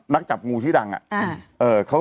นักจับงูที่ฆอก